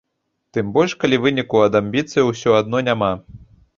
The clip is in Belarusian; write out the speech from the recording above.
Тым больш калі выніку ад амбіцыяў усё адно няма.